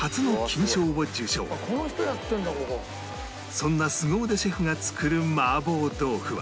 そんなすご腕シェフが作る麻婆豆腐は